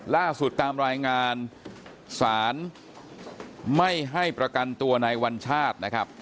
ล่าสุดตามรายงานศาลไม่ให้ประกันตัวนายวัญชาติ